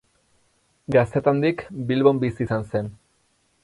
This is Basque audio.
Gaztetandik Bilbon bizi izan zen.